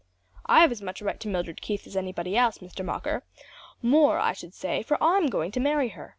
"I've as much right to Mildred Keith as anybody else, Mr. Mocker; more, I should say; for I'm going to marry her."